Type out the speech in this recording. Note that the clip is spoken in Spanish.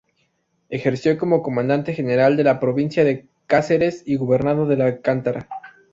Ejerció como Comandante General de la provincia de Cáceres y Gobernado de la Alcántara.